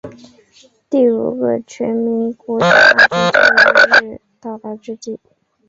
在第五个全民国家安全教育日到来之际